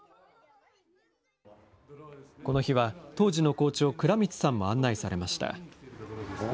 この日は、当時の校長、藏滿さんも案内されました。